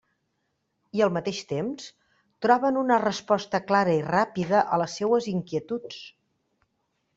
I al mateix temps, troben una resposta clara i ràpida a les seues inquietuds.